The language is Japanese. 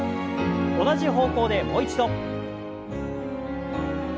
同じ方向でもう一度。